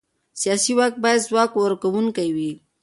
سیاسي واک باید ځواب ورکوونکی وي